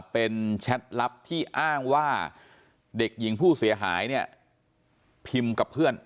เป็นแชทลับที่อ้างว่าเด็กหญิงผู้เสียหายเนี่ยพิมพ์กับเพื่อน